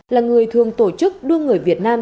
là người thường tổ chức đưa người việt nam